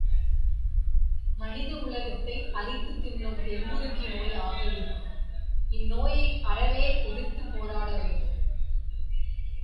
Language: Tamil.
மனித உலகத்தை அரித்துத் தின்னும் என்புருக்கி நோய் ஆக இருக்கும் இந்நோயை அறவே எதிர்த்துப் போராடவேண்டும்.